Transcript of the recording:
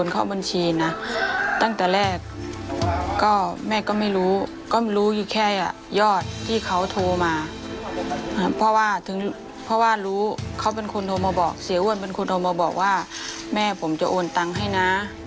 เพราะว่าถึงเพราะว่ารู้เขาเป็นคนโทรมาบอกเสียอ้วนเป็นคนโทรมาบอกว่าแม่ผมจะโอนตังค์ให้นะ